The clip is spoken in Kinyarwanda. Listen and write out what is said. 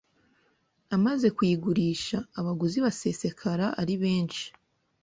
Amaze kuyigurisha, abaguzi basesekara ari benshi